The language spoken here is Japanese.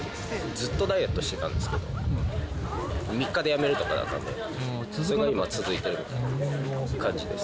ずっとダイエットしてたんですけど、３日でやめるとかだったんで、それが今、続いてる感じです。